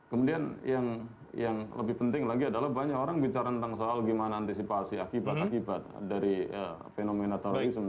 kemudian yang lebih penting lagi adalah banyak orang bicara tentang soal gimana antisipasi akibat akibat dari fenomena terorisme